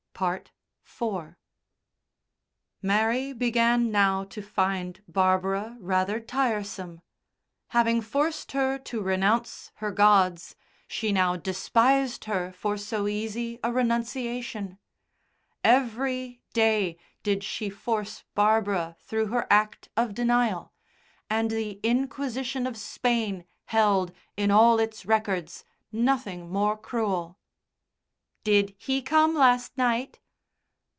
IV Mary began, now, to find Barbara rather tiresome. Having forced her to renounce her gods, she now despised her for so easy a renunciation. Every day did she force Barbara through her act of denial, and the Inquisition of Spain held, in all its records, nothing more cruel. "Did he come last night?"